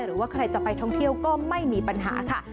หรือว่าใครจะไปท่องเที่ยวก็ไม่มีปัญหาค่ะ